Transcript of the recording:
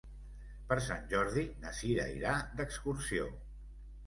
Per Sant Jordi na Cira irà d'excursió.